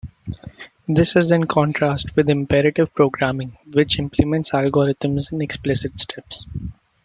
This is in contrast with imperative programming, which implements algorithms in explicit steps.